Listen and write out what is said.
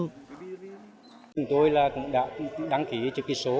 chúng tôi là đăng ký chữ ký số